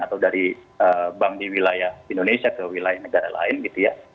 atau dari bank di wilayah indonesia ke wilayah negara lain gitu ya